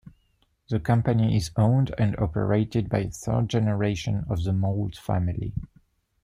The company is owned and operated by a third generation of the Mould family.